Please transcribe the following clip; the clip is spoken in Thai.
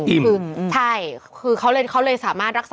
ใช่คือเขาเร็วเขาคุณสามารถรักษา